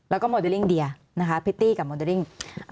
แล้วก็โมเดลลิ่งเดียนะคะพิตตี้กับโมเดอร์ดิ้ง